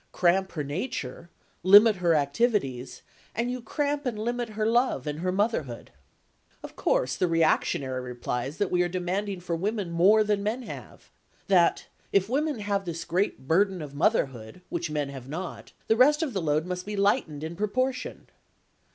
Cramp her nature, limit her activities, and you cramp and limit her love and her motherhood. Of course the reactionary replies that we are demanding for women more than men have. That, if women have this great burden of motherhood, which men have not, the rest of the load must be lightened in proportion.